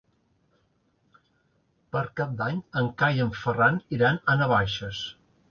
Per Cap d'Any en Cai i en Ferran iran a Navaixes.